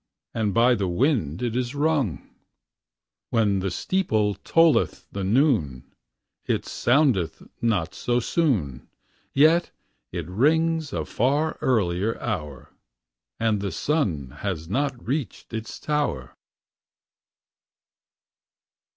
And by the wind it is niqg . When the steeple tolleth the noon, It aonndeth not so soon, Yet it lings a far earlier hoar. And the snn has not reached ita tower.